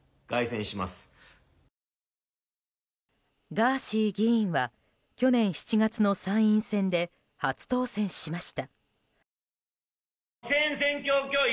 ガーシー議員は去年７月の参院選で初当選しました。